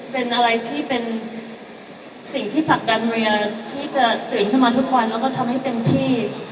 เป็นอะไรที่เป็นสิ่งที่ผลักดันเรียนที่จะตื่นขึ้นมาทุกวันแล้วก็ทำให้เต็มที่